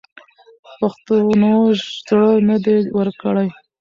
پښتنو زړه نه دی ورکړی.